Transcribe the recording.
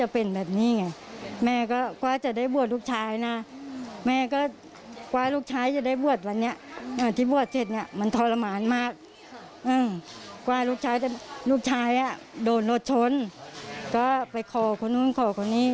เพื่อให้หนีวันนี้แต่เป็นอย่างต้องมาทำกันแบบนี้